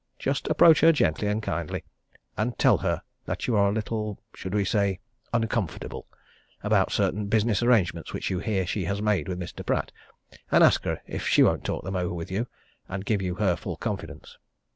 Just approach her gently and kindly, and tell her that you are a little should we say uncomfortable? about certain business arrangements which you hear she has made with Mr. Pratt, and ask her, if she won't talk them over with you, and give you her full confidence.